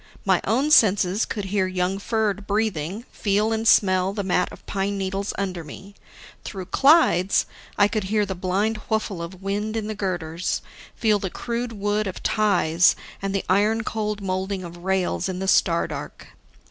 My own senses could hear young Ferd breathing, feel and smell the mat of pine needles under me. Through Clyde's, I could hear the blind whuffle of wind in the girders, feel the crude wood of ties and the iron cold molding of rails in the star dark.